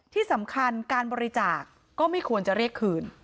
ที่สำคัญการบริจาคก็ไม่ควรจะเรียกคืน